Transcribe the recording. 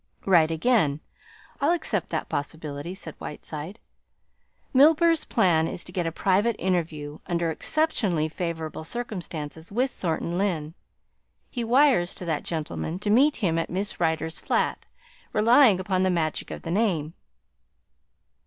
"Right again. I'll accept that possibility," said Whiteside. "Milburgh's plan is to get a private interview, under exceptionally favourable circumstances, with Thornton Lyne. He wires to that gentleman to meet him at Miss Rider's flat, relying upon the magic of the name."